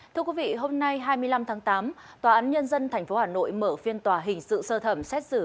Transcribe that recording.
thưa quý vị hôm nay hai mươi năm tháng tám tòa án nhân dân tp hà nội mở phiên tòa hình sự sơ thẩm xét xử